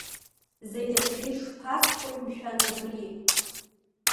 Зегь рзы ишԥасҳәои, мшәан, абри!